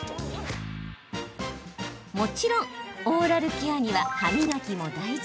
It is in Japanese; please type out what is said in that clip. もちろん、オーラルケアには歯磨きも大事。